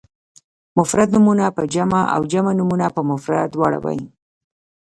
مفرد نومونه په جمع او جمع نومونه په مفرد واړوئ.